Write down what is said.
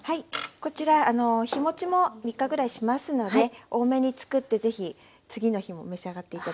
こちら日もちも３日ぐらいしますので多めに作って是非次の日も召し上がって頂きたいと思います。